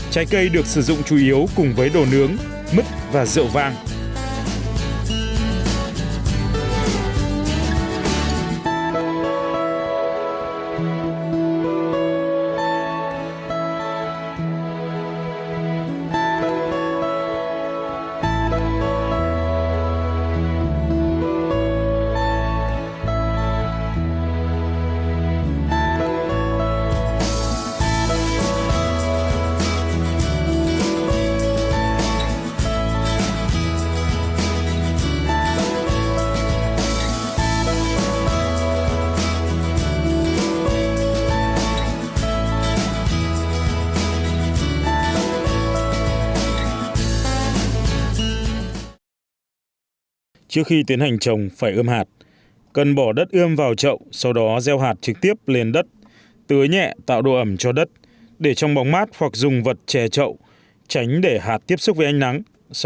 trái cây được sử dụng chủ yếu cùng với đồ nướng mứt và rượu vang